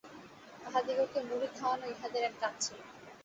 তাহাদিগকে মুড়ি খাওয়ানো ইহাদের এক কাজ ছিল।